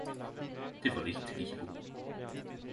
Difor likte ikkje eg boka.